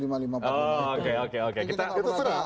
lima ribu lima ratus empat puluh lima itu serah